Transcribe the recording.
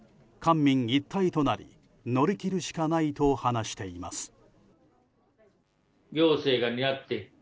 官民一体となり乗り切るしかないと話しています。